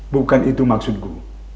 bukan itu maksudku